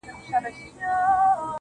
د هجرت غوټه تړمه روانېږم.